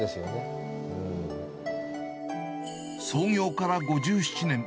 創業から５７年。